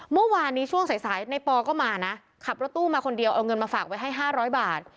เมื่อวานนี้ช่วงสายสายในปอก็มานะขับรถตู้มาคนเดียวเอาเงินมาฝากไว้ให้๕๐๐บาท